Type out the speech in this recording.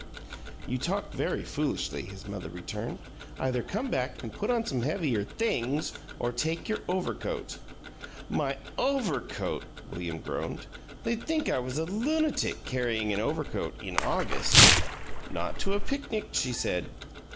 "You talk very foolishly," his mother returned. "Either come back and put on some heavier THINGS or take your overcoat." "My overcoat!" William groaned. "They'd think I was a lunatic, carrying an overcoat in August!" "Not to a picnic," she said.